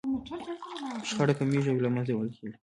شخړه کمیږي او يا له منځه وړل کېږي.